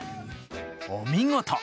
お見事！